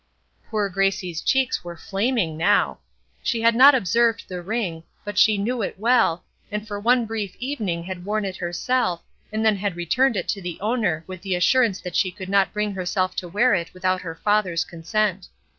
Poor Gracie's cheeks were flaming now. She had not observed the ring, but she knew it well, and for one brief evening had worn it herself, and then had returned it to the owner with the assurance that she could not bring herself to wear it without her father's consent.